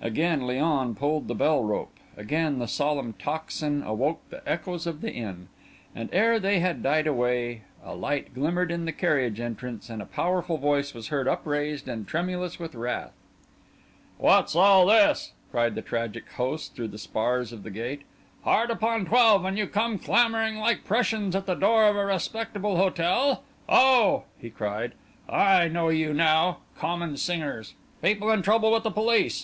Again Léon pulled the bell rope; again the solemn tocsin awoke the echoes of the inn; and ere they had died away, a light glimmered in the carriage entrance, and a powerful voice was heard upraised and tremulous with wrath. "What's all this?" cried the tragic host through the spars of the gate. "Hard upon twelve, and you come clamouring like Prussians at the door of a respectable hotel? Oh!" he cried, "I know you now! Common singers! People in trouble with the police!